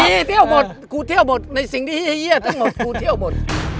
พี่เที่ยวหมดกูเที่ยวหมดในสิ่งที่เฮียดทั้งหมดกูเที่ยวหมด